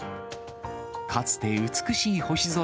かつて美しい星空